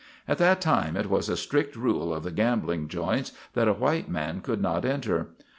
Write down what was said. At that time it was a strict rule of the gambling "joints" that a white man could not enter.